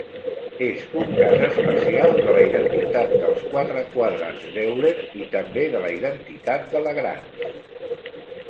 És un cas especial de la identitat dels quatre quadrats d'Euler i també de la identitat de Lagrange.